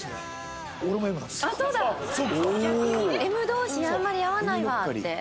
Ｍ同士あんまり合わないわって。